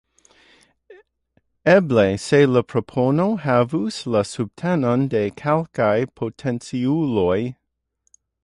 Eble - se la propono havus la subtenon de kelkaj potenculoj.